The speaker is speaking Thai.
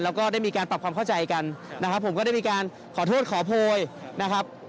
แล้วก็ได้มีการปรับความเข้าใจกันนะครับผมก็ได้มีการขอโทษขอโพยนะครับ